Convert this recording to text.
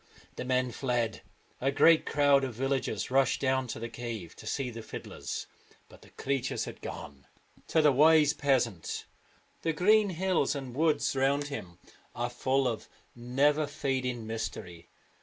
The men fled. A great crowd of villagers rushed down to the cave to see the fiddlers, but the creatures had gone. To the wise peasant the green hills and woods round him are full of never fading mystery.